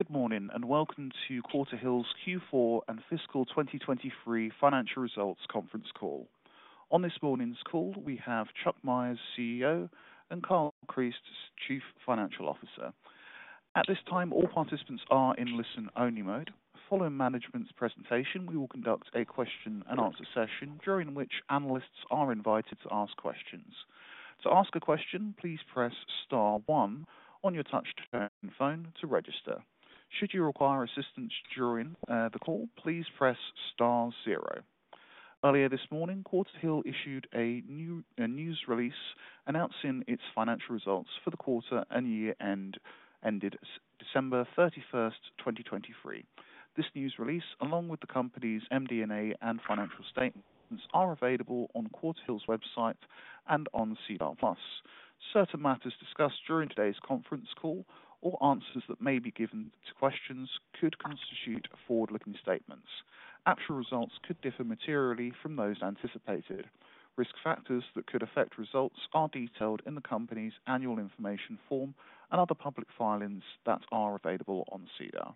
Good morning and welcome to Quarterhill's Q4 and Fiscal 2023 Financial Results Conference Call. On this morning's call we have Chuck Myers, CEO, and Kyle Chriest, Chief Financial Officer. At this time all participants are in listen-only mode. Following management's presentation we will conduct a question-and-answer session during which analysts are invited to ask questions. To ask a question please press star one on your touch phone to register. Should you require assistance during the call please press star zero. Earlier this morning Quarterhill issued a news release announcing its financial results for the quarter and year ended December 31st, 2023. This news release along with the company's MD&A and financial statements are available on Quarterhill's website and on SEDAR+. Certain matters discussed during today's conference call or answers that may be given to questions could constitute forward-looking statements. Actual results could differ materially from those anticipated. Risk factors that could affect results are detailed in the company's annual information form and other public filings that are available on SEDAR+.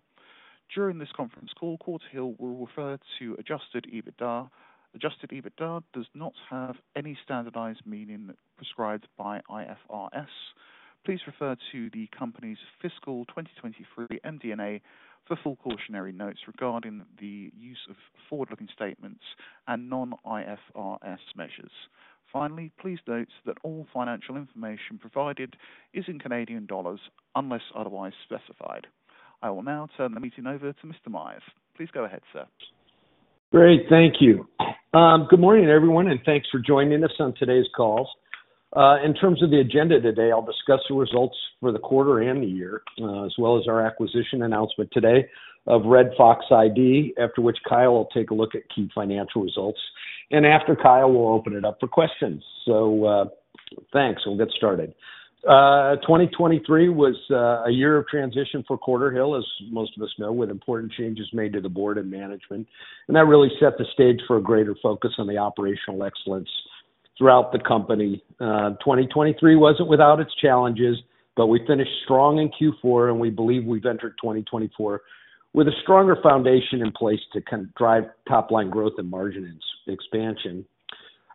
During this conference call, Quarterhill will refer to adjusted EBITDA. Adjusted EBITDA does not have any standardized meaning prescribed by IFRS. Please refer to the company's Fiscal 2023 MD&A for full cautionary notes regarding the use of forward-looking statements and non-IFRS measures. Finally, please note that all financial information provided is in Canadian dollars unless otherwise specified. I will now turn the meeting over to Mr. Myers. Please go ahead, sir. Great, thank you. Good morning everyone and thanks for joining us on today's call. In terms of the agenda today I'll discuss the results for the quarter and the year as well as our acquisition announcement today of Red Fox I.D. after which Kyle will take a look at key financial results and after Kyle we'll open it up for questions. So thanks, we'll get started. 2023 was a year of transition for Quarterhill as most of us know with important changes made to the Board and management and that really set the stage for a greater focus on the operational excellence throughout the company. 2023 wasn't without its challenges but we finished strong in Q4 and we believe we've entered 2024 with a stronger foundation in place to kind of drive top-line growth and margin expansion.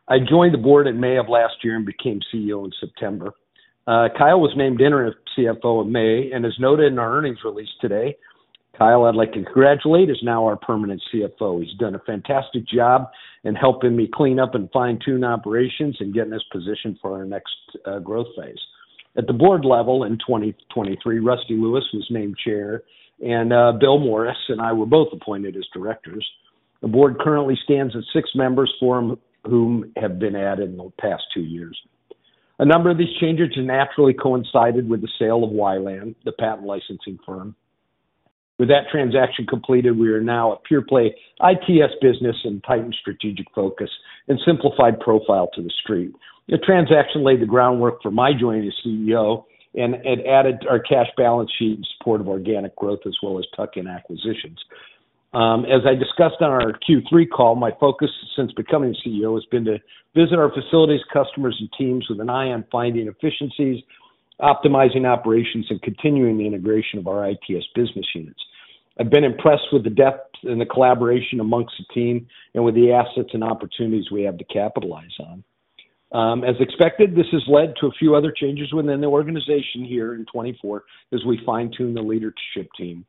I joined the Board in May of last year and became CEO in September. Kyle was named Interim CFO in May. And as noted in our earnings release today, Kyle, I'd like to congratulate, is now our permanent CFO. He's done a fantastic job in helping me clean up and fine-tune operations and getting us positioned for our next growth phase. At the Board level in 2023 Rusty Lewis was named Chair and Bill Morris and I were both appointed as Directors. The Board currently stands of six members, four of whom have been added in the past two years. A number of these changes naturally coincided with the sale of Wi-LAN, the patent licensing firm. With that transaction completed we are now a pure-play ITS business in tightened strategic focus and simplified profile to the street. The transaction laid the groundwork for my joining as CEO and it added our cash balance sheet in support of organic growth as well as tuck-in acquisitions. As I discussed on our Q3 call, my focus since becoming a CEO has been to visit our facilities, customers, and teams with an eye on finding efficiencies, optimizing operations, and continuing the integration of our ITS business units. I've been impressed with the depth and the collaboration amongst the team and with the assets and opportunities we have to capitalize on. As expected this has led to a few other changes within the organization here in 2024 as we fine-tune the leadership team.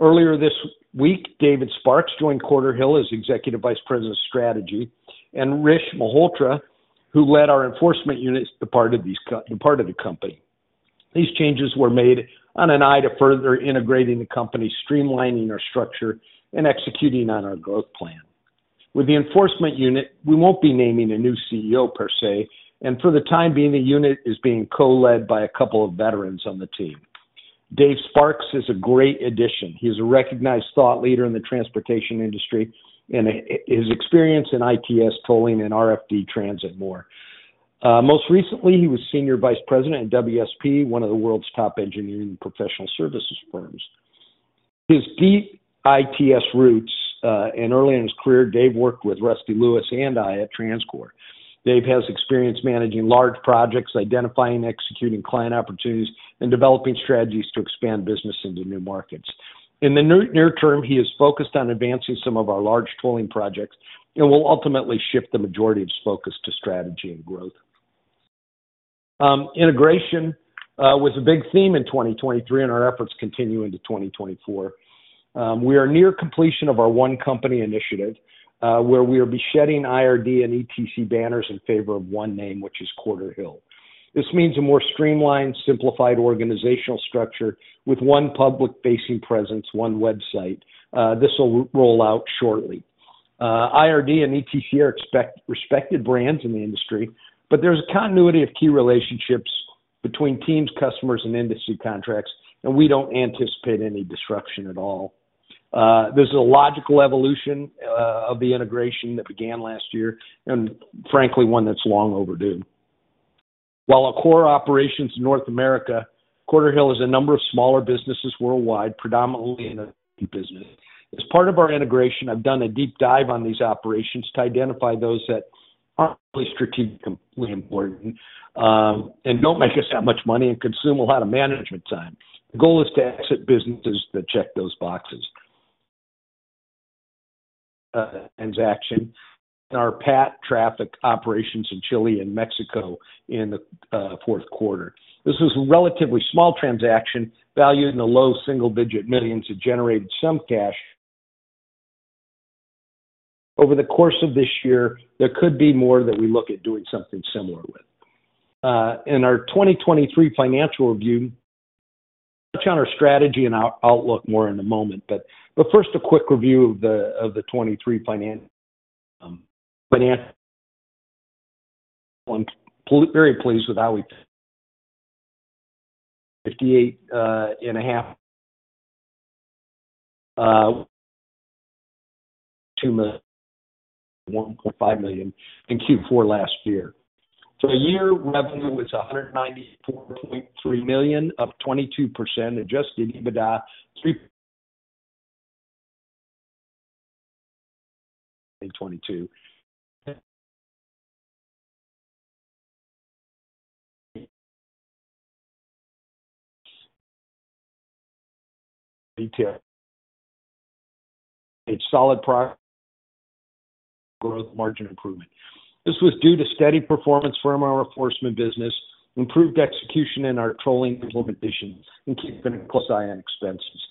Earlier this week David Sparks joined Quarterhill as Executive Vice President of Strategy and Rish Malhotra who led our enforcement unit departed the company. These changes were made with an eye to further integrating the company, streamlining our structure, and executing on our growth plan. With the enforcement unit, we won't be naming a new CEO per se and for the time being the unit is being co-led by a couple of veterans on the team. Dave Sparks is a great addition. He's a recognized thought leader in the transportation industry and his experience in ITS, tolling, and RFD transit and more. Most recently he was Senior Vice President at WSP, one of the world's top engineering and professional services firms. His deep ITS roots and early in his career, Dave worked with Rusty Lewis and I at TransCore. Dave has experience managing large projects, identifying and executing client opportunities, and developing strategies to expand business into new markets. In the near term he is focused on advancing some of our large tolling projects and will ultimately shift the majority of his focus to strategy and growth. Integration was a big theme in 2023 and our efforts continue into 2024. We are near completion of our One Company initiative where we are shedding IRD and ETC banners in favor of one name which is Quarterhill. This means a more streamlined, simplified organizational structure with one public-facing presence, one website. This will roll out shortly. IRD and ETC are respected brands in the industry. But there's a continuity of key relationships between teams, customers, and industry contracts and we don't anticipate any disruption at all. This is a logical evolution of the integration that began last year and frankly one that's long overdue. While our core operations in North America, Quarterhill is a number of smaller businesses worldwide, predominantly in the business. As part of our integration, I've done a deep dive on these operations to identify those that aren't really strategically important and don't make us that much money and consume a lot of management time. The goal is to exit businesses that check those boxes. Transaction in our PAT Traffic operations in Chile and Mexico in the fourth quarter. This was a relatively small transaction valued in the low single-digit millions that generated some cash. Over the course of this year there could be more that we look at doing something similar with. In our 2023 financial review touch on our strategy and outlook more in a moment, but first a quick review of the 2023 financial. I'm very pleased with how we.. And a half.. CAD 1.5 million in Q4 last year. So full year revenue was $194.3 million up 22% adjusted EBITDA.. 2022 margin improvement. This was due to steady performance from our enforcement business, improved execution in our tolling implementation, and keeping close eye on expenses.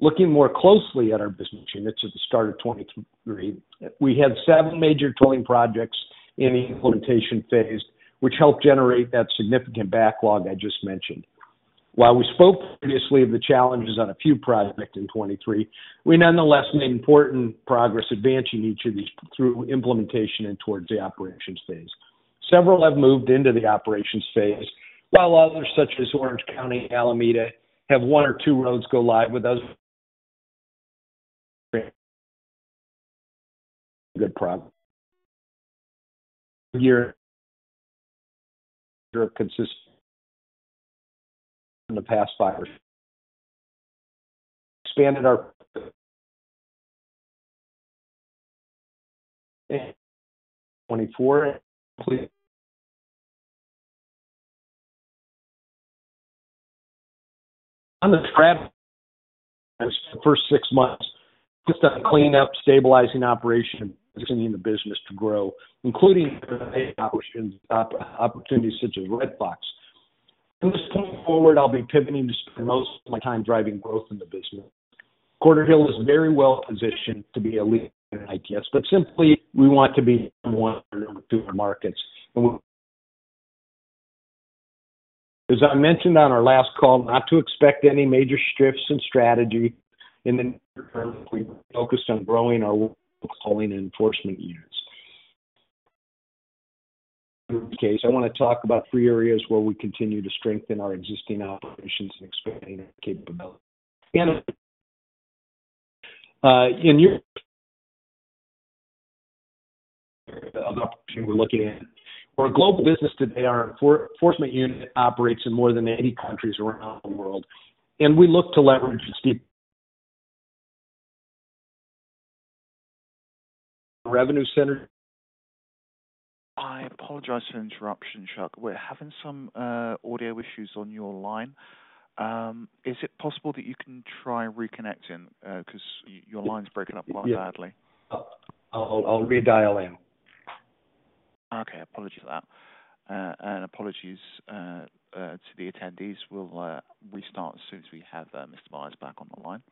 Looking more closely at our business units at the start of 2023, we had seven major tolling projects in the implementation phase which helped generate that significant backlog I just mentioned. While we spoke previously of the challenges on a few projects in 2023 we nonetheless made important progress advancing each of these through implementation and towards the operations phase. Several have moved into the operations phase while others such as Orange County, Alameda have one or two roads go live with us in the past five years. 2024. the first six months just on cleanup, stabilizing operation, and continuing the business to grow including opportunities such as Red Fox. From this point forward I'll be pivoting to spend most of my time driving growth in the business. Quarterhill is very well positioned to be a lead in ITS but simply we want to be number one or number two in the markets. As I mentioned on our last call not to expect any major shifts in strategy in the near term we focused on growing our tolling and enforcement units. I want to talk about three areas where we continue to strengthen our existing operations and expanding our capability. In Europe of the opportunity we're looking at. We're a global business today. Our enforcement unit operates in more than 80 countries around the world and we look to leverage its deep... revenue center. I apologize for interruption, Chuck. We're having some audio issues on your line. Is it possible that you can try reconnecting because your line's breaking up quite badly? Yeah. I'll redial in. Okay. Apologies for that and apologies to the attendees. We'll restart as soon as we have Mr. Myers back on the line.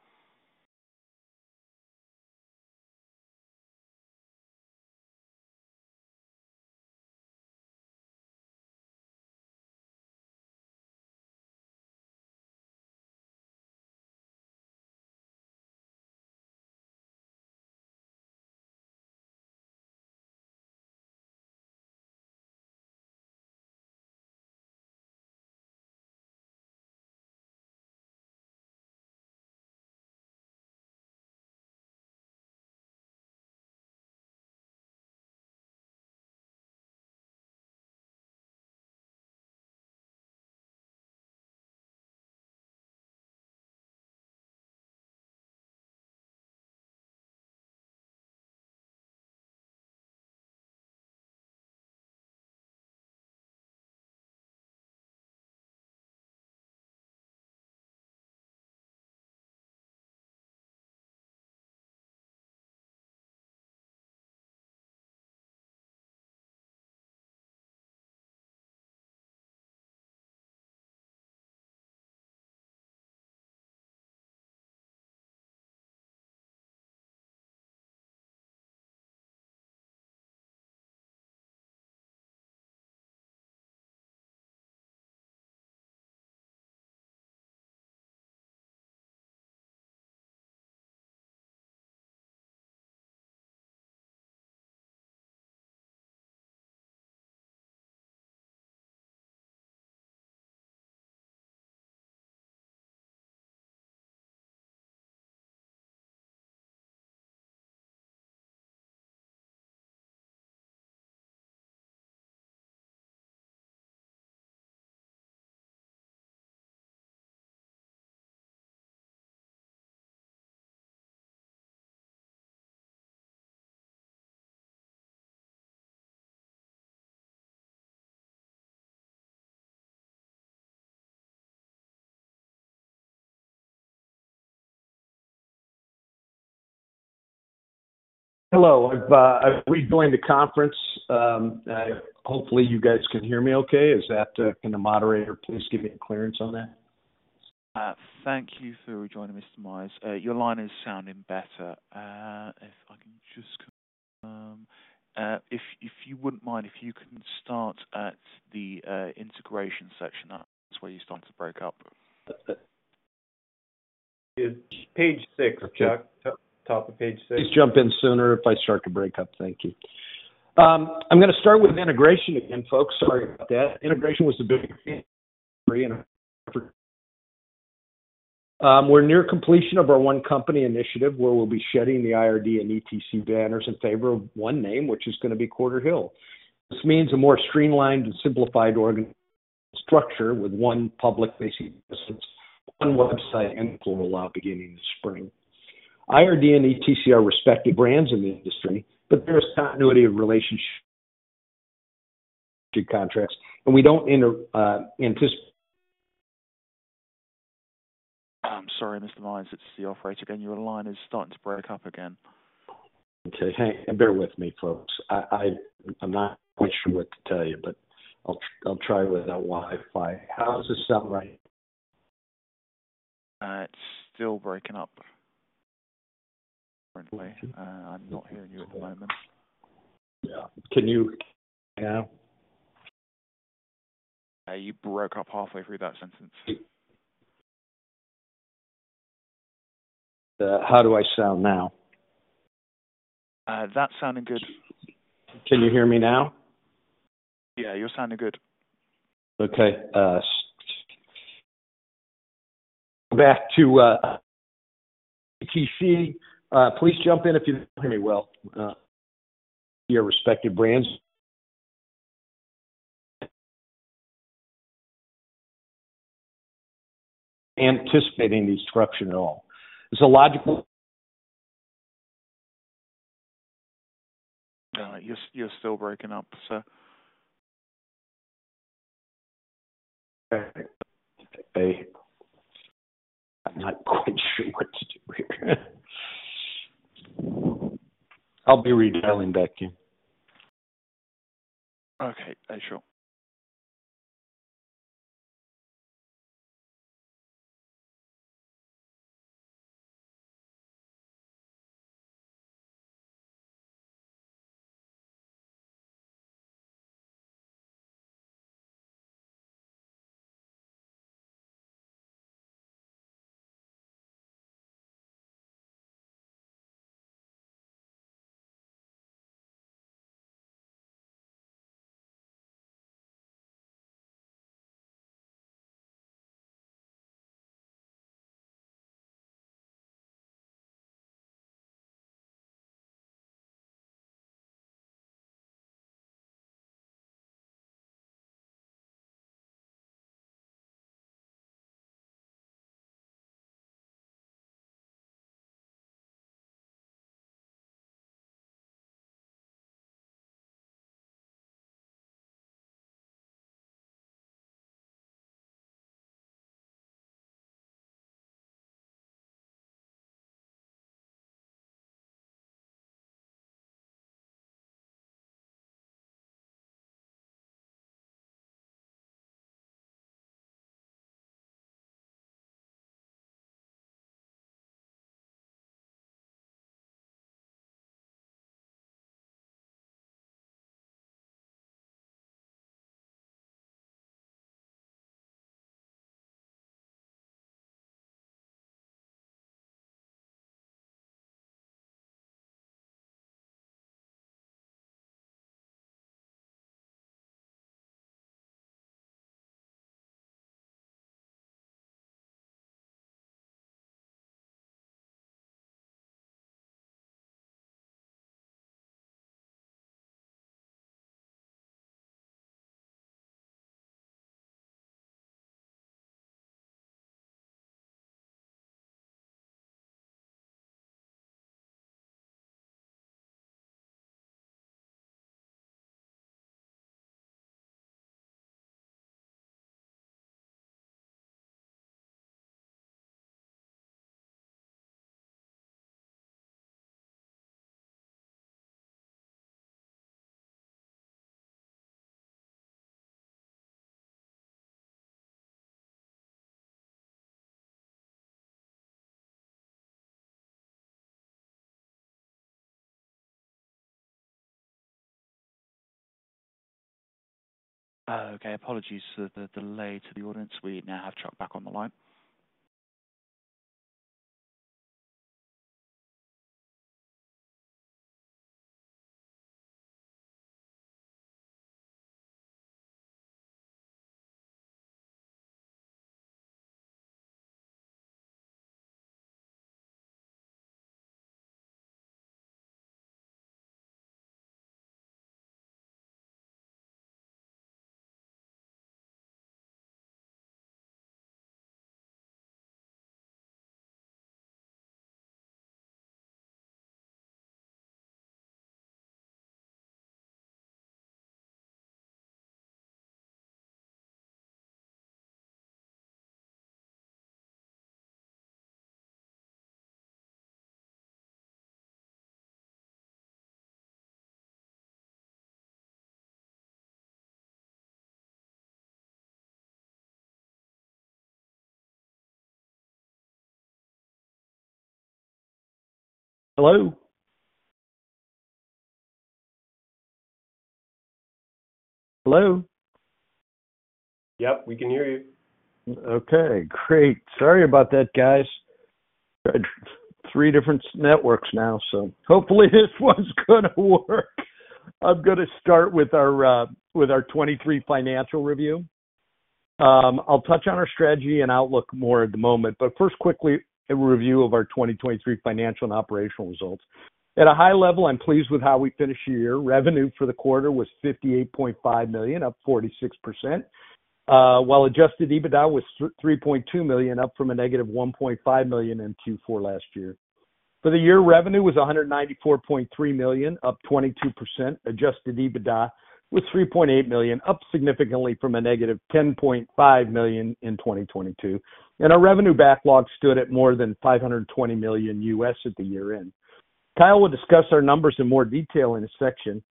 Hello. I've rejoined the conference. Hopefully you guys can hear me okay. Can the moderator please give me clearance on that? Thank you for joining Mr. Myers. Your line is sounding better. If you wouldn't mind if you can start at the integration section. That's where you started to break up. Page six, Chuck. Top of page six. Please jump in sooner if I start to break up. Thank you. I'm going to start with integration again, folks. Sorry about that. Integration was the biggest thing for me and we're near completion of our One Company initiative where we'll be shedding the IRD and ETC banners in favor of one name which is going to be Quarterhill. This means a more streamlined and simplified structure with one public-facing business, one website, and toll rollout beginning this spring. IRD and ETC are respected brands in the industry but there's continuity of relationships, contracts, and we don't anticipate. I'm sorry Mr. Myers. It's the operator again. Your line is starting to break up again. Okay. Hey. Bear with me folks. I'm not quite sure what to tell you but I'll try without Wi-Fi. How does this sound right? It's still breaking up. Currently. I'm not hearing you at the moment. Yeah. Can you hear me now? You broke up halfway through that sentence. How do I sound now? That's sounding good. Can you hear me now? Yeah. You're sounding good. Okay. Back to ETC. Please jump in if you don't hear me well. Your respective brands.. anticipating the disruption at all, is it logical? You're still breaking up so. Okay. I'm not quite sure what to do here. I'll be redialing back in. Okay. Hey Chuck. Okay. Apologies for the delay to the audience. We now have Chuck back on the line. Hello? Hello? Yep. We can hear you. Okay. Great. Sorry about that, guys. I've tried three different networks now, so hopefully this one's going to work. I'm going to start with our 2023 financial review. I'll touch on our strategy and outlook more at the moment. But first, quickly, a review of our 2023 financial and operational results. At a high level, I'm pleased with how we finished the year. Revenue for the quarter was 58.5 million, up 46%. While adjusted EBITDA was 3.2 million, up from -1.5 million in Q4 last year. For the year, revenue was 194.3 million, up 22%. Adjusted EBITDA was 3.8 million, up significantly from -10.5 million in 2022. And our revenue backlog stood at more than $520 million at the year-end. Kyle will discuss our numbers in more detail in a section.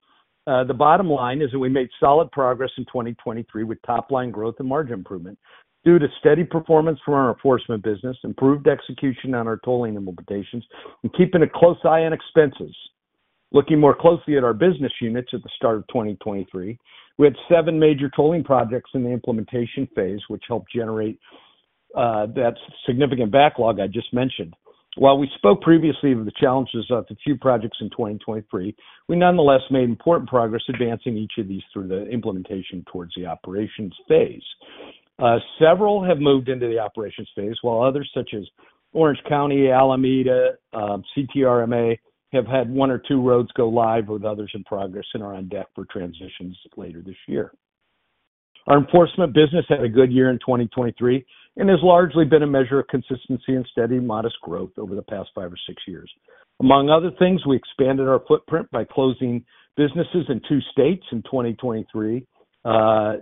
The bottom line is that we made solid progress in 2023 with top-line growth and margin improvement due to steady performance from our enforcement business, improved execution on our tolling implementations, and keeping a close eye on expenses. Looking more closely at our business units at the start of 2023, we had seven major tolling projects in the implementation phase which helped generate that significant backlog I just mentioned. While we spoke previously of the challenges of the few projects in 2023, we nonetheless made important progress advancing each of these through the implementation towards the operations phase. Several have moved into the operations phase while others such as Orange County, Alameda, CTRMA have had one or two roads go live with others in progress and are on deck for transitions later this year. Our enforcement business had a good year in 2023 and has largely been a measure of consistency and steady modest growth over the past five years or six years. Among other things, we expanded our footprint by closing businesses in two states in 2023,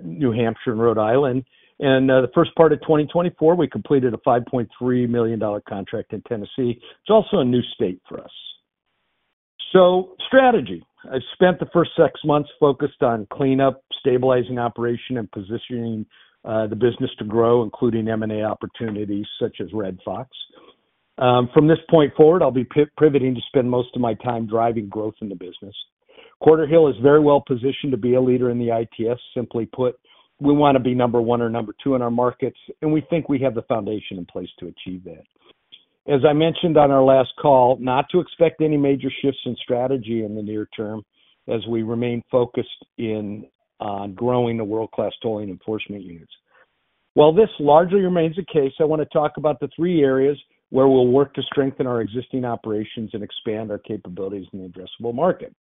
New Hampshire and Rhode Island. And in the first part of 2024, we completed a 5.3 million dollar contract in Tennessee, which is also a new state for us. So, strategy. I've spent the first six months focused on cleanup, stabilizing operation, and positioning the business to grow, including M&A opportunities such as Red Fox. From this point forward, I'll be pivoting to spend most of my time driving growth in the business. Quarterhill is very well positioned to be a leader in the ITS, simply put. We want to be number one or number two in our markets and we think we have the foundation in place to achieve that. As I mentioned on our last call not to expect any major shifts in strategy in the near term as we remain focused on growing the world-class tolling enforcement units. While this largely remains the case, I want to talk about the three areas where we'll work to strengthen our existing operations and expand our capabilities in the addressable market.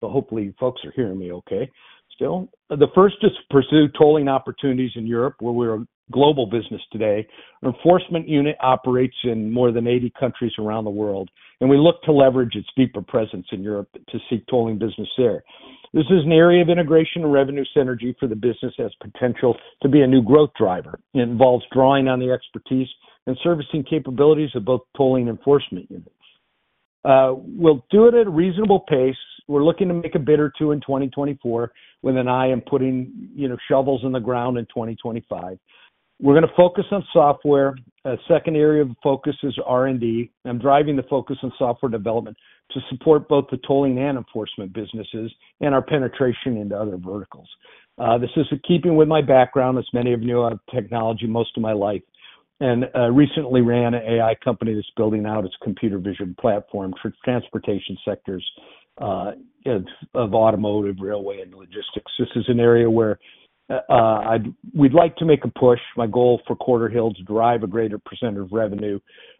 So hopefully folks are hearing me okay still. The first is to pursue tolling opportunities in Europe, where we're a global business today. Our enforcement unit operates in more than 80 countries around the world and we look to leverage its deeper presence in Europe to seek Tolling business there. This is an area of integration and revenue synergy for the business that has potential to be a new growth driver. It involves drawing on the expertise and servicing capabilities of both tolling enforcement units. We'll do it at a reasonable pace. We're looking to make a bid or two in 2024 when I am putting shovels in the ground in 2025. We're going to focus on software. A second area of focus is R&D. I'm driving the focus on software development to support both the tolling and enforcement businesses and our penetration into other verticals. This is in keeping with my background as many of you know I've been in technology most of my life and recently ran an AI company that's building out its computer vision platform for transportation sectors of automotive, railway, and logistics. This is an area where we'd like to make a push. My goal for Quarterhill is to drive a greater percentage of revenue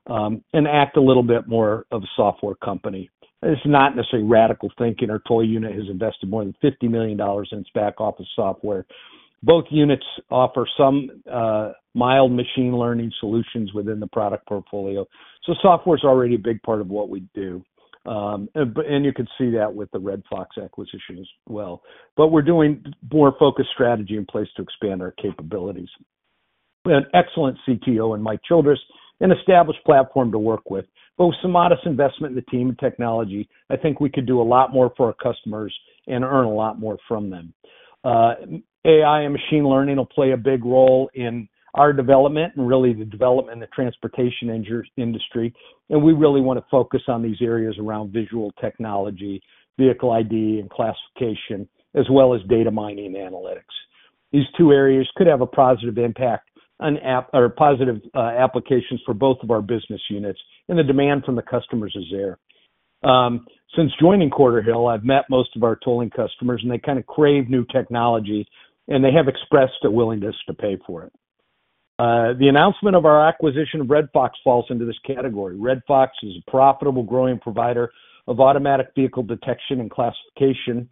and act a little bit more of a software company. It's not necessarily radical thinking. Our toll unit has invested more than 50 million dollars in its back office software. Both units offer some mild machine learning solutions within the product portfolio, so software is already a big part of what we do. You can see that with the Red Fox acquisition as well. But we're doing more focused strategy in place to expand our capabilities. We have an excellent CTO in Mike Childress and established platform to work with. But with some modest investment in the team and technology, I think we could do a lot more for our customers and earn a lot more from them. AI and machine learning will play a big role in our development and really the development of the transportation industry. And we really want to focus on these areas around visual technology, vehicle ID and classification as well as data mining and analytics. These two areas could have a positive impact on, or positive applications for both of our business units and the demand from the customers is there. Since joining Quarterhill, I've met most of our tolling customers. And they kind of crave new technology, and they have expressed a willingness to pay for it. The announcement of our acquisition of Red Fox falls into this category. Red Fox is a profitable growing provider of Automatic Vehicle Detection and Classification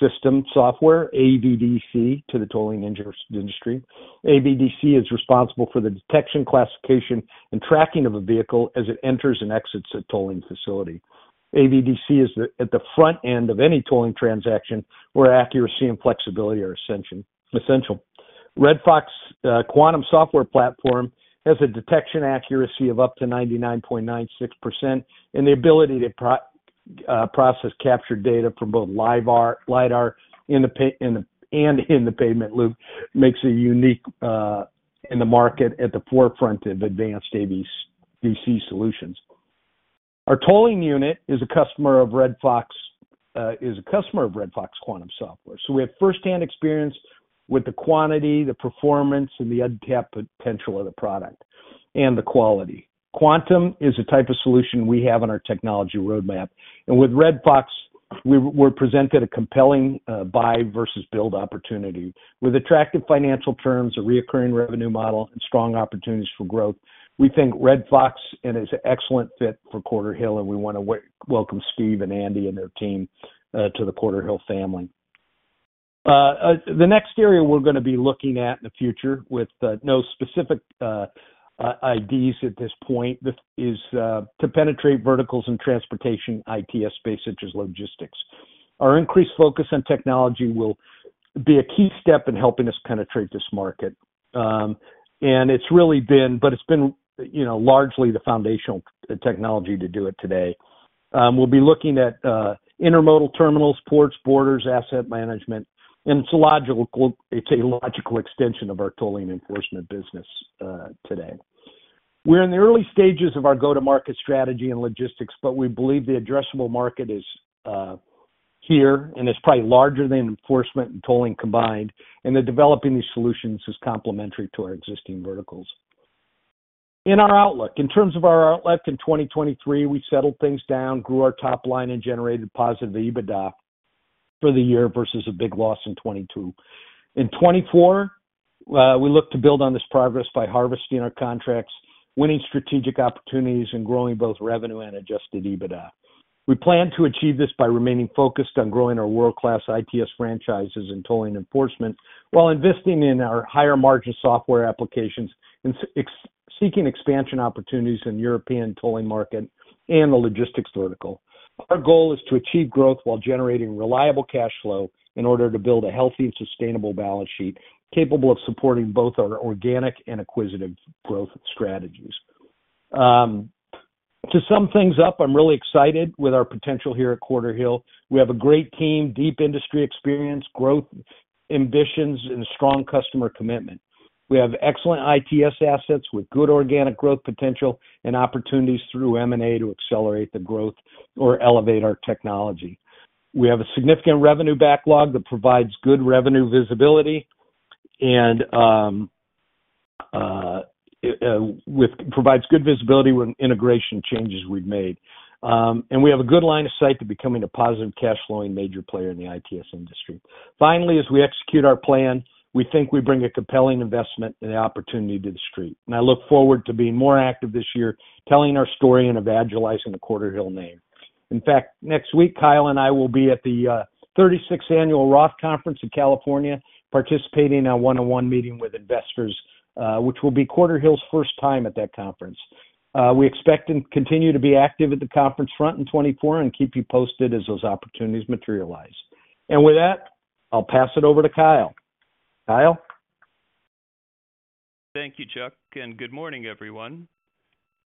system software, AVDC, to the tolling industry. AVDC is responsible for the detection, classification, and tracking of a vehicle as it enters and exits a tolling facility. AVDC is at the front end of any tolling transaction where accuracy and flexibility are essential. Red Fox Quantum software platform has a detection accuracy of up to 99.96%, and the ability to process captured data from both LiDAR and "in the pavement" loop makes it unique in the market at the forefront of advanced AVDC solutions. Our tolling unit is a customer of Red Fox Quantum software so we have firsthand experience with the quality, the performance, and the untapped potential of the product and the quality. Quantum is a type of solution we have on our technology roadmap and with Red Fox we're presented a compelling buy versus build opportunity. With attractive financial terms, a recurring revenue model, and strong opportunities for growth, we think Red Fox is an excellent fit for Quarterhill and we want to welcome Steve and Andy and their team to the Quarterhill family. The next area we're going to be looking at in the future with no specific IDs at this point is to penetrate verticals in transportation ITS space such as logistics. Our increased focus on technology will be a key step in helping us penetrate this market and it's been largely the foundational technology to do it today. We'll be looking at intermodal terminals, ports, borders, asset management, and it's a logical extension of our tolling enforcement business today. We're in the early stages of our go-to-market strategy and logistics but we believe the addressable market is here and it's probably larger than enforcement and tolling combined, and that developing these solutions is complementary to our existing verticals. In our outlook in terms of our outlook in 2023, we settled things down, grew our top line, and generated positive EBITDA for the year versus a big loss in 2022. In 2024, we look to build on this progress by harvesting our contracts, winning strategic opportunities, and growing both revenue and adjusted EBITDA. We plan to achieve this by remaining focused on growing our world-class ITS franchises in tolling enforcement while investing in our higher margin software applications and seeking expansion opportunities in the European tolling market and the logistics vertical. Our goal is to achieve growth while generating reliable cash flow in order to build a healthy and sustainable balance sheet capable of supporting both our organic and acquisitive growth strategies. To sum things up, I'm really excited with our potential here at Quarterhill. We have a great team, deep industry experience, growth ambitions, and strong customer commitment. We have excellent ITS assets with good organic growth potential and opportunities through M&A to accelerate the growth or elevate our technology. We have a significant revenue backlog that provides good revenue visibility, and provides good visibility when integration changes we've made. And we have a good line of sight to becoming a positive cash flowing major player in the ITS industry. Finally, as we execute our plan we think we bring a compelling investment and the opportunity to the street, and I look forward to being more active. This year telling our story and evangelizing the Quarterhill name. In fact, next week Kyle and I will be at the 36th Annual ROTH Conference in California participating in a one-on-one meeting with investors which will be Quarterhill's first time at that conference. We expect and continue to be active at the conference front in 2024 and keep you posted as those opportunities materialize. With that I'll pass it over to Kyle. Kyle? Thank you, Chuck, and good morning, everyone.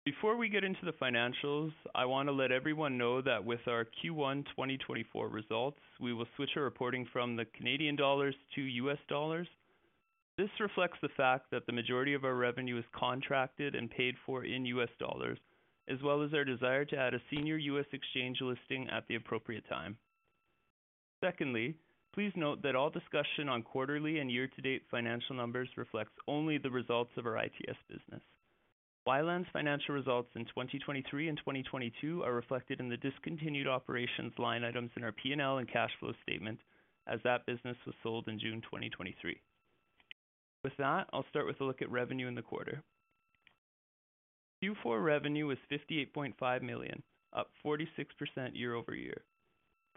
Before we get into the financials I want to let everyone know that with our Q1 2024 results, we will switch our reporting from Canadian dollars to U.S. dollars. This reflects the fact that the majority of our revenue is contracted and paid for in U.S. dollars as well as our desire to add a senior U.S. exchange listing at the appropriate time. Secondly, please note that all discussion on quarterly and year-to-date financial numbers reflects only the results of our ITS business. Wi-LAN's financial results in 2023 and 2022 are reflected in the discontinued operations line items in our P&L and cash flow statement, as that business was sold in June 2023. With that I'll start with a look at revenue in the quarter. Q4 revenue was $58.5 million up 46% year-over-year.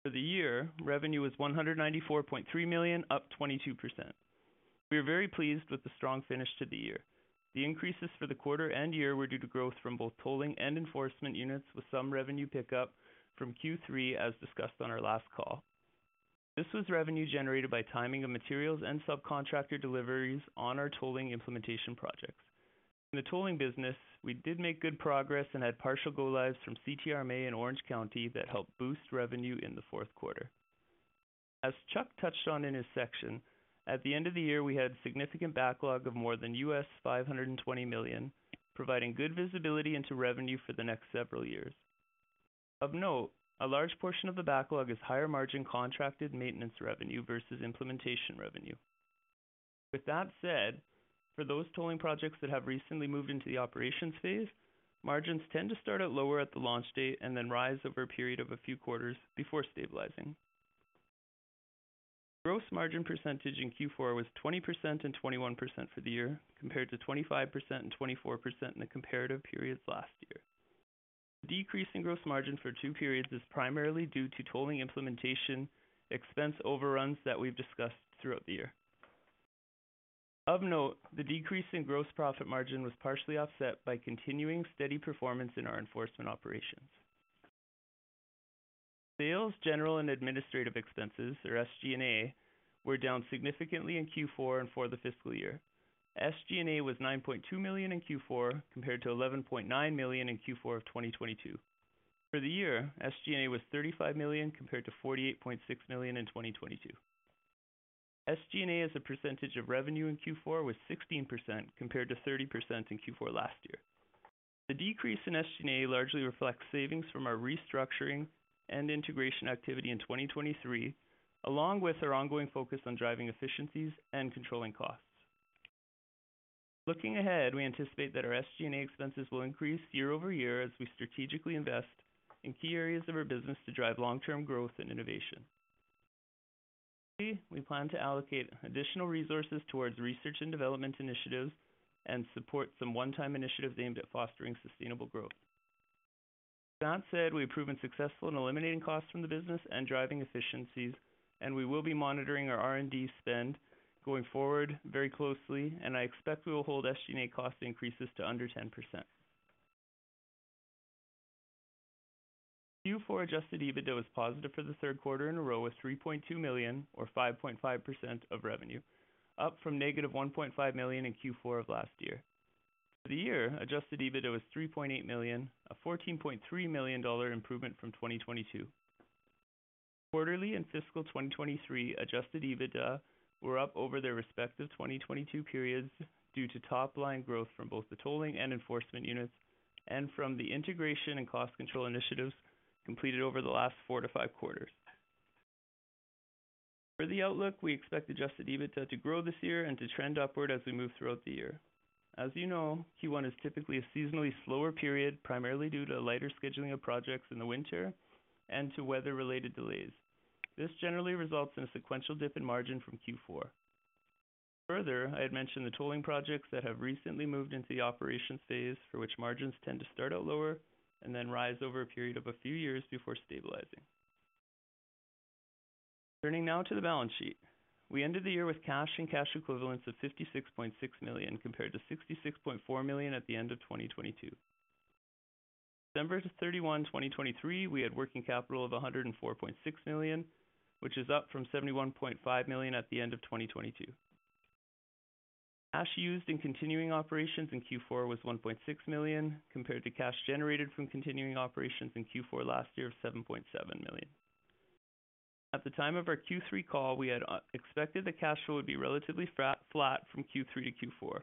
For the year, revenue was $194.3 million up 22%. We are very pleased with the strong finish to the year. The increases for the quarter end year were due to growth from both tolling and enforcement units with some revenue pickup from Q3 as discussed on our last call. This was revenue generated by timing of materials and subcontractor deliveries on our tolling implementation projects. In the Tolling business, we did make good progress and had partial go-lives from CTRMA in Orange County that helped boost revenue in the fourth quarter. As Chuck touched on in his section, at the end of the year we had significant backlog of more than $520 million providing good visibility into revenue for the next several years. Of note a large portion of the backlog is higher margin contracted maintenance revenue versus implementation revenue. With that said, for those tolling projects that have recently moved into the operations phase, margins tend to start out lower at the launch date and then rise over a period of a few quarters before stabilizing. Gross margin percentage in Q4 was 20% and 21% for the year compared to 25% and 24% in the comparative periods last year. The decrease in gross margin for two periods is primarily due to tolling implementation expense overruns that we've discussed throughout the year. Of note, the decrease in gross profit margin was partially offset by continuing steady performance in our enforcement operations. Selling, General, and Administrative expenses or SG&A were down significantly in Q4 and for the fiscal year. SG&A was 9.2 million in Q4 compared to 11.9 million in Q4 of 2022. For the year SG&A was 35 million compared to 48.6 million in 2022. SG&A as a percentage of revenue in Q4 was 16% compared to 30% in Q4 last year. The decrease in SG&A largely reflects savings from our restructuring and integration activity in 2023 along with our ongoing focus on driving efficiencies and controlling costs. Looking ahead we anticipate that our SG&A expenses will increase year-over-year as we strategically invest in key areas of our business to drive long-term growth and innovation. We plan to allocate additional resources towards research and development initiatives and support some one-time initiatives aimed at fostering sustainable growth. With that said we have proven successful in eliminating costs from the business and driving efficiencies and we will be monitoring our R&D spend going forward very closely and I expect we will hold SG&A cost increases to under 10%. Q4 adjusted EBITDA was positive for the third quarter in a row with 3.2 million or 5.5% of revenue up from -1.5 million in Q4 of last year. For the year, adjusted EBITDA was 3.8 million, a 14.3 million dollar improvement from 2022. Quarterly and fiscal 2023 adjusted EBITDA were up over their respective 2022 periods due to top line growth from both the tolling and enforcement units and from the integration and cost control initiatives completed over the last four to five quarters. For the outlook, we expect adjusted EBITDA to grow this year and to trend upward as we move throughout the year. As you know, Q1 is typically a seasonally slower period primarily due to lighter scheduling of projects in the winter and to weather-related delays. This generally results in a sequential dip in margin from Q4. Further, I had mentioned the tolling projects that have recently moved into the operations phase for which margins tend to start out lower and then rise over a period of a few years before stabilizing. Turning now to the balance sheet. We ended the year with cash and cash equivalents of 56.6 million compared to 66.4 million at the end of 2022. December 31, 2023, we had working capital of 104.6 million, which is up from 71.5 million at the end of 2022. Cash used in continuing operations in Q4 was 1.6 million compared to cash generated from continuing operations in Q4 last year of 7.7 million. At the time of our Q3 call we had expected the cash flow would be relatively flat from Q3 to Q4.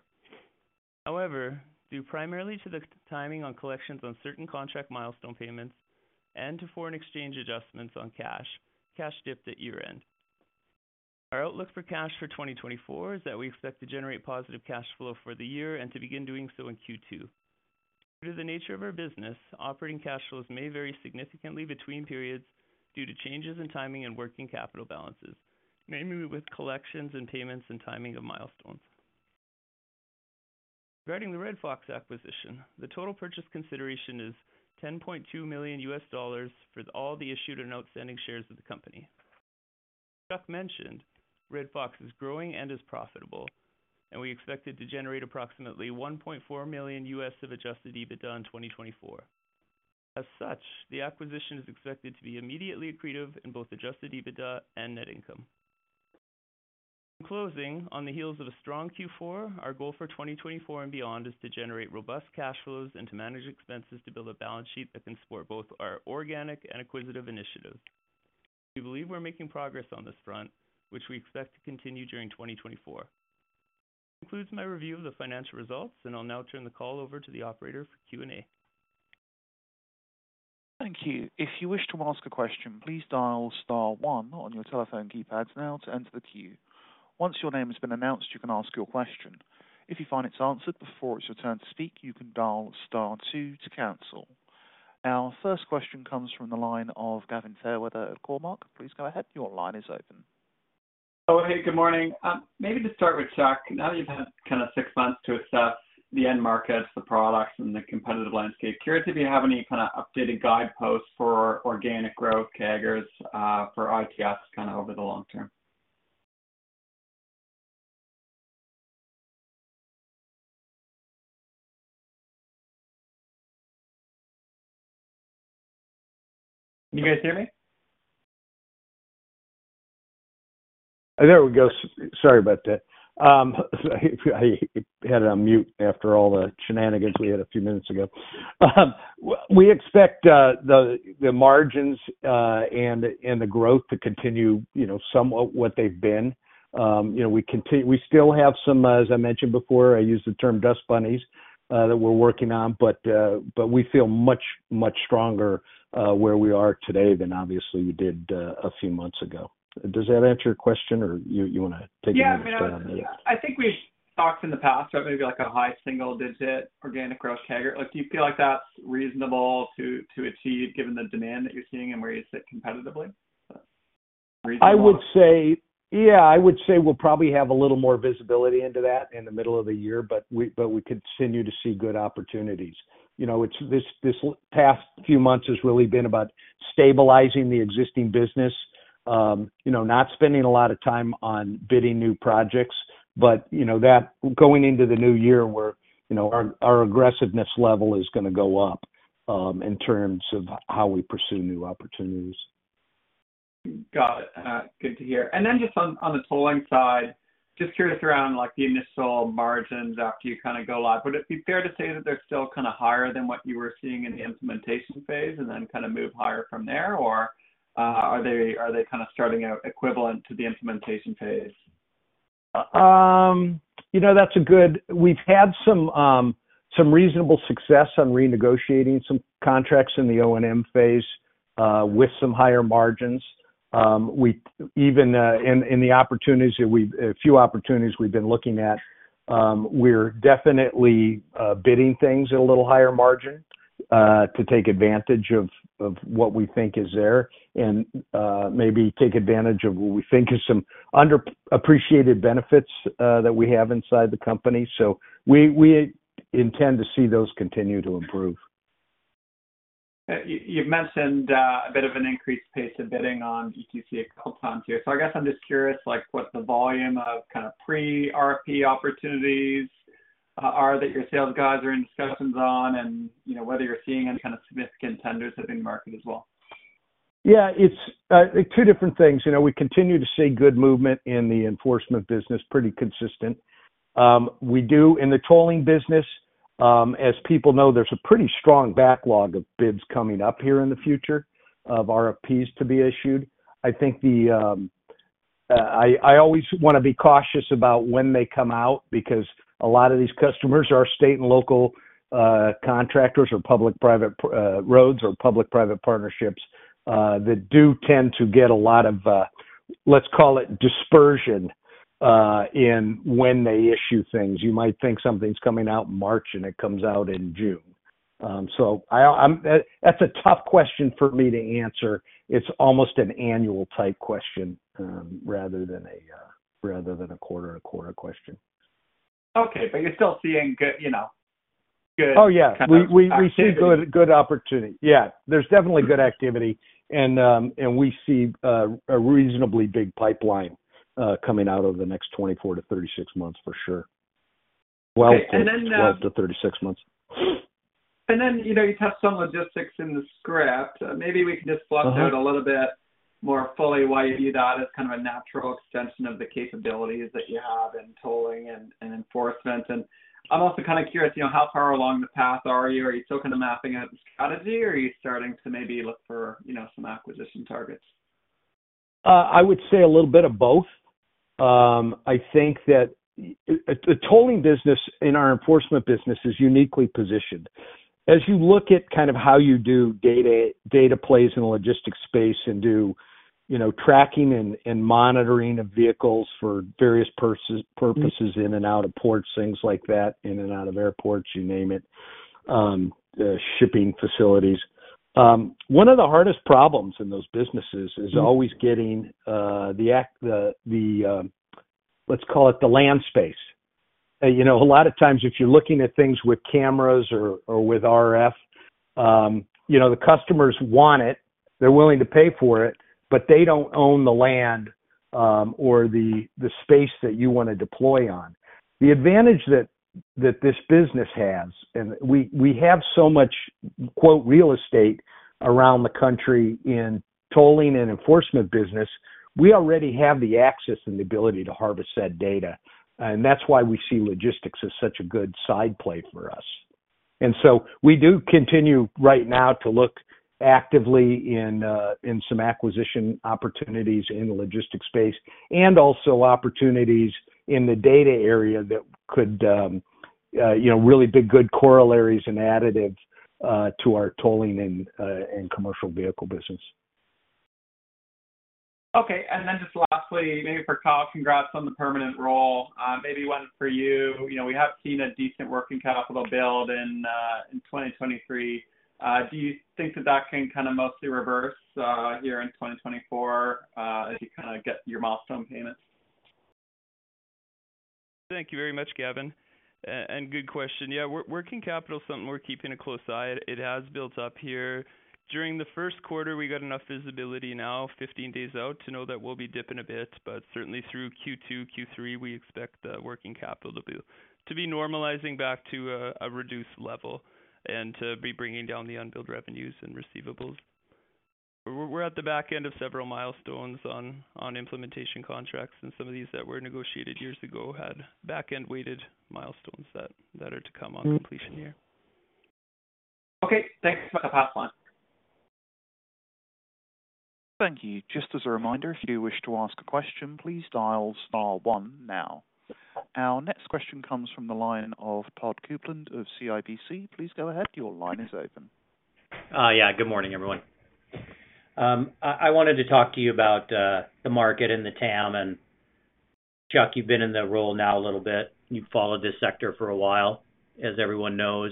However, due primarily to the timing on collections on certain contract milestone payments and to foreign exchange adjustments on cash, cash dipped at year-end. Our outlook for cash for 2024 is that we expect to generate positive cash flow for the year and to begin doing so in Q2. Due to the nature of our business, operating cash flows may vary significantly between periods due to changes in timing and working capital balances mainly with collections and payments and timing of milestones. Regarding the Red Fox acquisition, the total purchase consideration is $10.2 million for all the issued and outstanding shares of the company. As Chuck mentioned, Red Fox is growing and is profitable and we expected to generate approximately $1.4 million of adjusted EBITDA in 2024. As such, the acquisition is expected to be immediately accretive in both adjusted EBITDA and net income. In closing on the heels of a strong Q4, our goal for 2024 and beyond is to generate robust cash flows and to manage expenses to build a balance sheet that can support both our organic and acquisitive initiatives. We believe we're making progress on this front, which we expect to continue during 2024. This concludes my review of the financial results and I'll now turn the call over to the operator for Q&A. Thank you. If you wish to ask a question please dial star one on your telephone keypads now to enter the queue. Once your name has been announced, you can ask your question. If you find it's answered before it's your turn to speak, you can dial star two to cancel. Our first question comes from the line of Gavin Fairweather at Cormark. Please go ahead, your line is open. Hey, good morning. Maybe to start with Chuck. Now that you've had kind of six months to assess the end markets, the products, and the competitive landscape, curious if you have any kind of updated guideposts for organic growth, CAGRs, for ITS kind of over the long term. Can you guys hear me? There we go. Sorry about that. I had it on mute after all the shenanigans we had a few minutes ago. We expect the margins and the growth to continue somewhat what they've been. We still have some, as I mentioned before, I use the term "dust bunnies" that we're working on. But we feel much, much stronger where we are today than obviously we did a few months ago. Does that answer your question or you want to take another step on that? Yeah. I mean, I think we've talked in the past about maybe like a high single-digit organic gross CAGR. Do you feel like that's reasonable to achieve given the demand that you're seeing and where you sit competitively? I would say yeah, I would say we'll probably have a little more visibility into that, in the middle of the year. But we continue to see good opportunities. This past few months has really been about stabilizing the existing business, not spending a lot of time on bidding new projects. But that going into the new year where our aggressiveness level is going to go up in terms of how we pursue new opportunities. Got it. Good to hear. And then, just on the tolling side, just curious around the initial margins after you kind of go live. Would it be fair to say that they're still kind of higher than what you were seeing in the implementation phase and then kind of move higher from there, or are they kind of starting out equivalent to the implementation phase? That's a good [question]. We've had some reasonable success on renegotiating some contracts in the O&M phase with some higher margins. Even in the opportunities that we've a few opportunities we've been looking at, we're definitely bidding things at a little higher margin to take advantage of what we think is there. And maybe take advantage of what we think is some underappreciated benefits that we have inside the company. So, we intend to see those continue to improve. You've mentioned a bit of an increased pace of bidding on ETC accounts here. So, I guess I'm just curious what the volume of kind of pre-RFP opportunities or that your sales guys are in discussions on and whether you're seeing any kind of significant tenders that are in the market as well? Yeah. It's two different things. We continue to see good movement in the enforcement business pretty consistent. We do in the Tolling business as people know there's a pretty strong backlog of bids coming up here in the future of RFPs to be issued. I think I always want to be cautious about when they come out because a lot of these customers are state and local contractors or public-private roads or public-private partnerships, that do tend to get a lot of let's call it dispersion in when they issue things. You might think something's coming out in March, and it comes out in June. So that's a tough question for me to answer. It's almost an annual type question rather than a quarter and a quarter question. Okay, but you're still seeing good kind of. Oh yeah, we see good opportunity. Yeah, there's definitely good activity, and we see a reasonably big pipeline coming out over the next 24 months-36 months for sure. 12 months-36 months. And then you touched on logistics in the script. Maybe we can just flesh out a little bit more fully why you view that as kind of a natural extension of the capabilities that you have in tolling and enforcement. And I'm also kind of curious how far along the path are you? Are you still kind of mapping out the strategy or are you starting to maybe look for some acquisition targets? I would say a little bit of both. I think that, the Tolling business in our enforcement business, is uniquely positioned. As you look at kind of how you do data plays in the logistics space and do tracking and monitoring of vehicles for various purposes in and out of ports, things like that, in and out of airports, you name it, shipping facilities. One of the hardest problems in those businesses is always getting the, let's call it, the land space. A lot of times if you're looking at things with cameras or with RF, the customers want it. They're willing to pay for it but they don't own the land or the space that you want to deploy on. The advantage that this business has and we have so much "real estate" around the country in tolling and enforcement business we already have the access and the ability to harvest said data and that's why we see logistics as such a good side play for us. And so we do continue right now to look actively in some acquisition opportunities in the logistics space and also opportunities in the data area that could really be good corollaries and additives to our tolling and commercial vehicle business. Okay and then just lastly maybe for Kyle. Congrats on the permanent role. Maybe one for you. We have seen a decent working capital build in 2023. Do you think that that can kind of mostly reverse here in 2024 as you kind of get your milestone payments? Thank you very much Gavin and good question. Yeah, working capital is something we're keeping a close eye on. It has built up here. During the first quarter, we got enough visibility now 15 days out to know that we'll be dipping a bit. But certainly through Q2-Q3 we expect the working capital to be normalizing back to a reduced level, and to be bringing down the unbilled revenues and receivables. We're at the back end of several milestones on implementation contracts and some of these that were negotiated years ago had back-end weighted milestones that are to come on completion here. Okay, thanks. I will pass the line. Thank you. Just as a reminder if you do wish to ask a question please dial star one now. Our next question comes from the line of Todd Coupland of CIBC. Please go ahead, your line is open. Yeah, good morning everyone. I wanted to talk to you about the market and the TAM, and Chuck you've been in the role now a little bit and you've followed this sector for a while as everyone knows.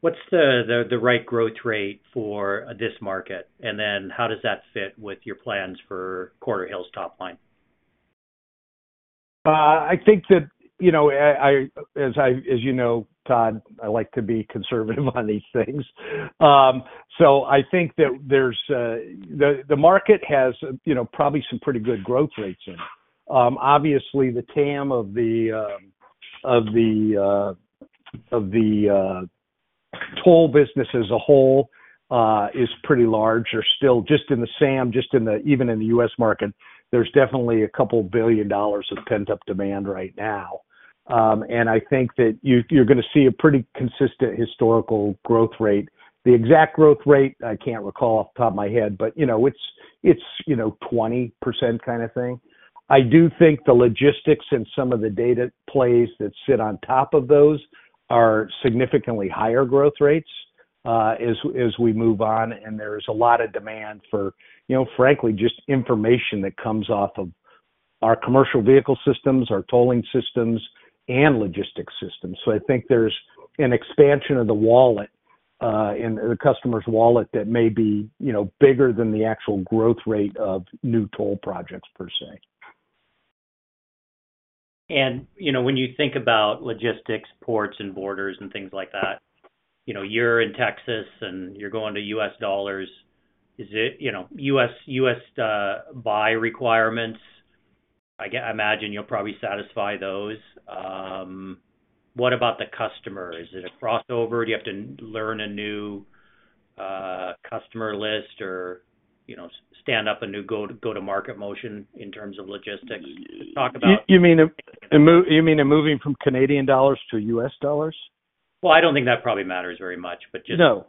What's the right growth rate for this market and then how does that fit with your plans for Quarterhill's top line? I think that as you know Todd I like to be conservative on these things. So I think that there's the market has probably some pretty good growth rates in it. Obviously, the TAM of the Toll business as a whole is pretty large or still just in the SAM, just even in the U.S. market. There's definitely a $2 billion of pent-up demand right now. And I think that you're going to see a pretty consistent historical growth rate. The exact growth rate I can't recall off the top of my head but it's 20% kind of thing. I do think the logistics and some of the data plays that sit on top of those are significantly higher growth rates as we move on and there is a lot of demand for frankly just information that comes off of our commercial vehicle systems, our tolling systems, and logistics systems. So I think there's an expansion of the wallet in the customer's wallet that may be bigger than the actual growth rate of new toll projects per se. And when you think about logistics, ports, and borders and things like that, you're in Texas and you're going to U.S. dollars. Is it U.S. buy requirements? I can imagine you'll probably satisfy those. What about the customer? Is it a crossover? Do you have to learn a new customer list or stand up a new go-to-market motion in terms of logistics? Talk about. You mean moving from Canadian dollars to U.S. dollars? Well, I don't think that probably matters very much but just. No.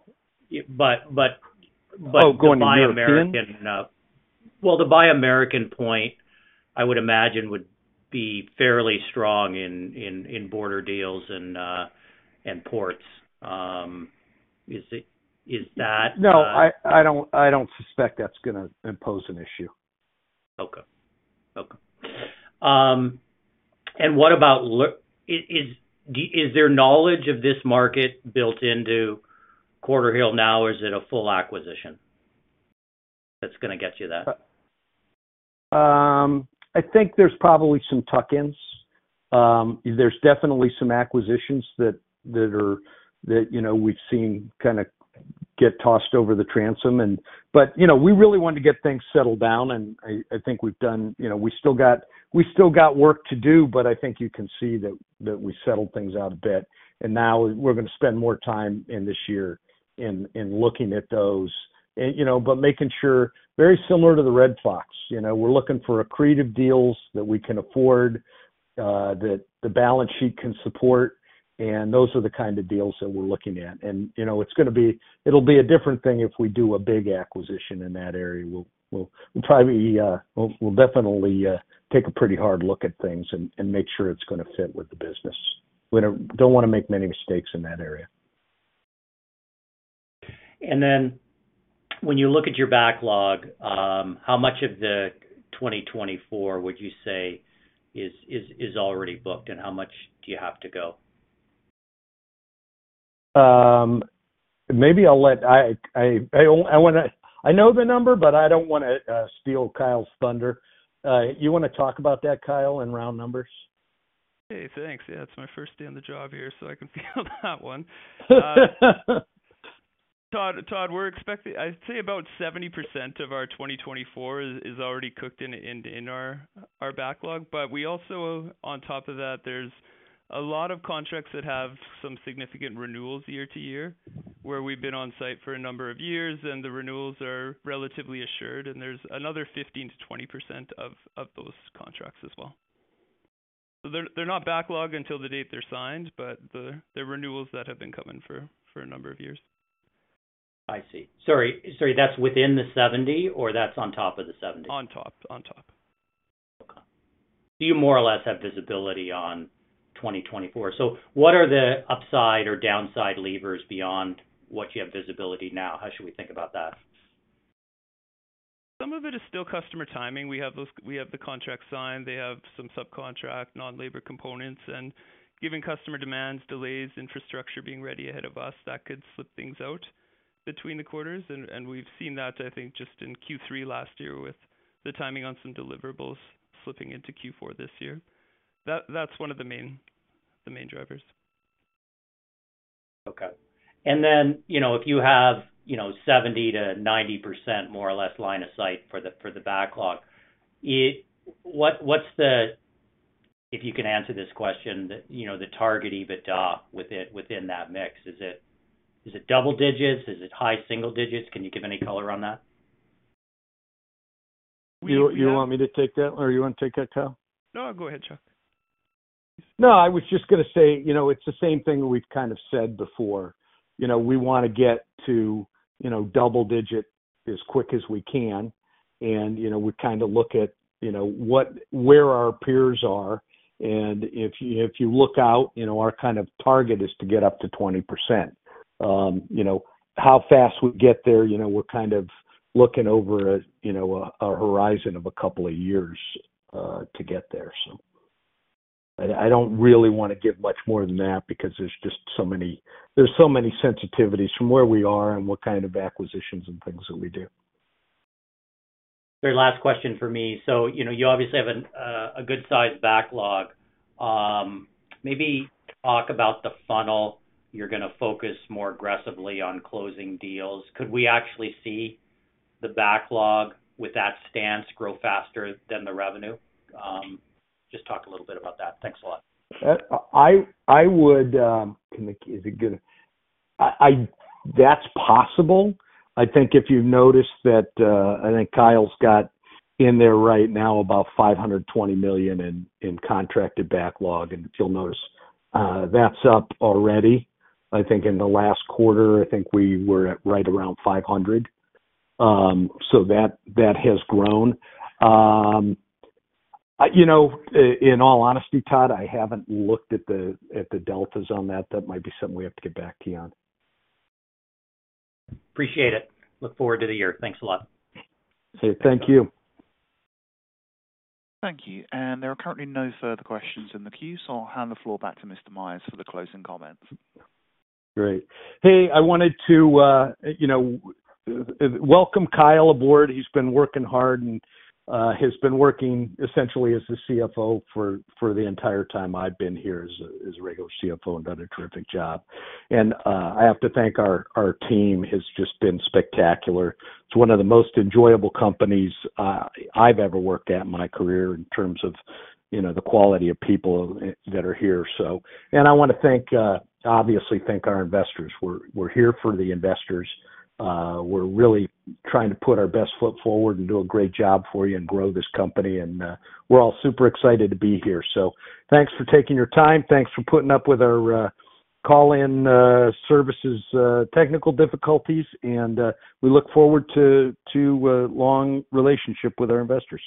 But the Buy American point. Oh, going to European? Well, the Buy American point, I would imagine would be fairly strong in border deals and ports. Is that.. No, I don't suspect that's going to impose an issue. Okay. Okay. And what about, is there knowledge of this market built into Quarterhill now or is it a full acquisition that's going to get you that? I think there's probably some tuck-ins. There's definitely some acquisitions that we've seen kind of get tossed over the transom. But we really want to get things settled down, and I think we've done. We still got work to do, but I think you can see that we settled things out a bit. And now we're going to spend more time in this year in looking at those, but making sure, very similar to the Red Fox. We're looking for accretive deals that we can afford, that the balance sheet can support, and those are the kind of deals that we're looking at. And it's going to be a different thing if we do a big acquisition in that area. We'll probably definitely take a pretty hard look at things and make sure it's going to fit with the business. We don't want to make many mistakes in that area. And then when you look at your backlog how much of the 2024 would you say is already booked and how much do you have to go? Maybe I'll let, I want to I know the number but I don't want to steal Kyle's thunder. You want to talk about that Kyle in round numbers? Hey, thanks. Yeah it's my first day on the job here so I can feel that one. Todd, we're expecting I'd say about 70% of our 2024 is already cooked in our backlog. But we also on top of that, there's a lot of contracts that have some significant renewals year-to-year. where we've been on site for a number of years and the renewals are relatively assured. And there's another 15%-20% of those contracts as well. They're not backlog until the date they're signed, but they're renewals that have been coming for a number of years. I see. Sorry. Sorry, that's within the 70% or that's on top of the 70%? On top. On top. Okay. So you more or less have visibility on 2024. So what are the upside or downside levers beyond what you have visibility now? How should we think about that? Some of it is still customer timing. We have the contract signed. They have some subcontract non-labor components and given customer demands, delays, infrastructure being ready ahead of us that could slip things out between the quarters. And we've seen that, I think just in Q3 last year, with the timing on some deliverables slipping into Q4 this year. That's one of the main drivers. Okay. Then if you have 70%-90% more or less line of sight for the backlog, what's the, if you can answer this question, the target EBITDA within that mix. Is it double digits? Is it high single digits? Can you give any color on that? You want me to take that or you want to take that, Kyle? No. Go ahead, Chuck. No, I was just going to say it's the same thing we've kind of said before. We want to get to double digit as quick as we can. And we kind of look at where our peers are, and if you look out, our kind of target is to get up to 20%. How fast we get there, we're kind of looking over a horizon of a couple of years to get there. So, I don't really want to give much more than that because there's just so many, there's so many sensitivities from where we are and what kind of acquisitions and things that we do. Very last question for me. So you obviously have a good size backlog. Maybe talk about the funnel. You're going to focus more aggressively on closing deals. Could we actually see the backlog with that stance grow faster than the revenue? Just talk a little bit about that. Thanks a lot. I would say it's good. That's possible. I think if you've noticed that I think Kyle's got in there right now about $520 million in contracted backlog and you'll notice that's up already. I think in the last quarter, I think we were at right around $500 million, so that has grown. In all honesty, Todd, I haven't looked at the deltas on that. That might be something we have to get back to you on. Appreciate it. Look forward to the year. Thanks a lot. Hey, thank you. Thank you. And there are currently no further questions in the queue, so I'll hand the floor back to Mr. Myers for the closing comments. Great. Hey. I wanted to welcome Kyle aboard. He's been working hard and has been working essentially as the CFO for the entire time I've been here as a regular CFO and done a terrific job. And I have to thank our team; it has just been spectacular. It's one of the most enjoyable companies I've ever worked at in my career, in terms of the quality of people that are here, so and I want to thank obviously thank our investors. We're here for the investors. We're really trying to put our best foot forward and do a great job for you and grow this company. And we're all super excited to be here, so thanks for taking your time. Thanks for putting up with our call in services technical difficulties and we look forward to a long relationship with our investors.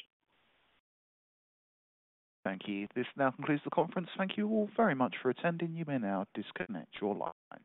Thank you. This now concludes the conference. Thank you all very much for attending. You may now disconnect your line.